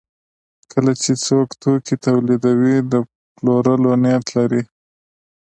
کله چې څوک توکي تولیدوي د پلورلو نیت لري.